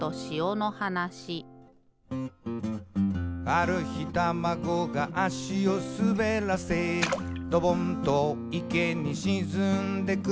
「ある日タマゴが足をすべらせ」「ドボンと池にしずんでく」